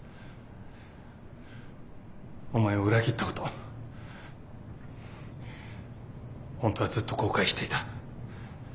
お前を裏切ったこと本当はずっと後悔していた。